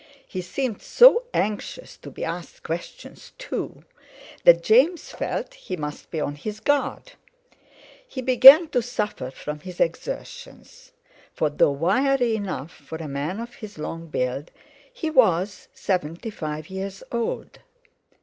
He seemed so anxious to be asked questions, too, that James felt he must be on his guard. He began to suffer from his exertions, for, though wiry enough for a man of his long build, he was seventy five years old.